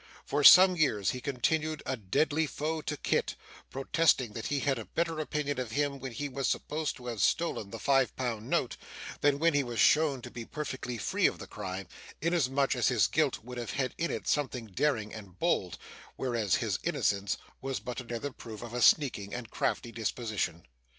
For some years he continued a deadly foe to Kit, protesting that he had a better opinion of him when he was supposed to have stolen the five pound note, than when he was shown to be perfectly free of the crime; inasmuch as his guilt would have had in it something daring and bold, whereas his innocence was but another proof of a sneaking and crafty disposition.